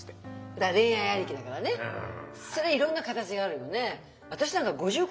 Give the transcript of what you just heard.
だから恋愛ありきだからね。それいろんな形があるよね。